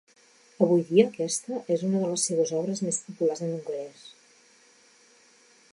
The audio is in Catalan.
Avui dia, aquesta és una de les seves obres més populars en hongarès.